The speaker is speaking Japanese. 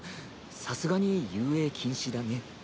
さすがに遊泳禁止だね。